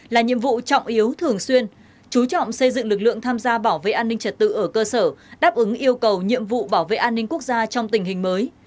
là nhiệm vụ trọng yếu thường xuyên chú trọng xây dựng lực lượng tham gia bảo vệ an ninh trật tự ở cơ sở đáp ứng yêu cầu nhiệm vụ bảo vệ an ninh quốc gia trong tình hình mới